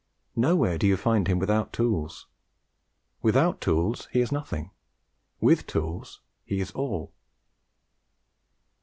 Nowhere do you find him without tools: without tools he is nothing; with tools he is all."